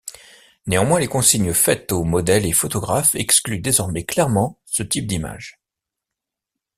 Néanmoins les consignes faites aux modèles et photographes excluent désormais clairement ce type d'images.